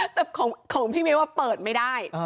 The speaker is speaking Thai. แต่ของพี่มิ้วเปิดไม่ได้